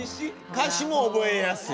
歌詞も覚えやすい。